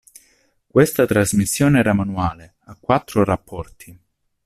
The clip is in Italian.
Questa trasmissione era manuale a quattro rapporti.